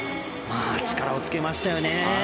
力をつけましたよね。